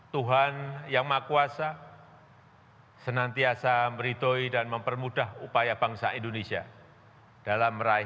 jangan lupa untuk berikan dukungan di sisi komentar